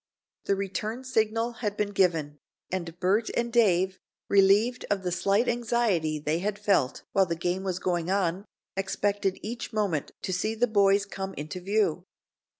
The return signal had been given, and Bert and Dave, relieved of the slight anxiety they had felt while the game was going on, expected each moment to see the boys come into view.